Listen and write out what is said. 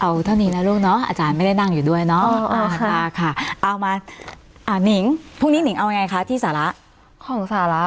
เอาเท่านี้นะลูกเนอะอาจารย์ไม่ได้นั่งอยู่ด้วยเนอะ